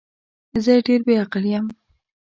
زه ډیر بی عقل یم